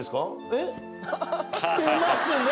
えっ？着てますね！